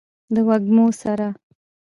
د وږمو سره